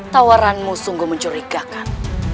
tawaranmu sungguh mencurigakan